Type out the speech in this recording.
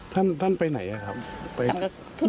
ท่านไปไหนครับ